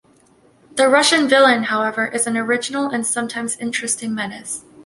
The Russian villain, however, is an original and sometimes interesting menace.